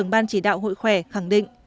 ban chỉ đạo hội khỏe khẳng định